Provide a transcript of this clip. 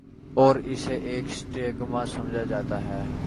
اور اسے ایک سٹیگما سمجھا جاتا ہے۔